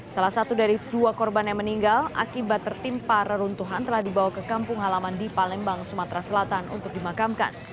salah satu dari dua korban yang meninggal akibat tertimpa reruntuhan telah dibawa ke kampung halaman di palembang sumatera selatan untuk dimakamkan